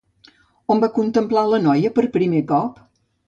On va contemplar la noia per primer cop?